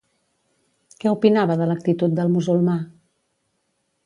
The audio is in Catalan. Què opinava de l'actitud del musulmà?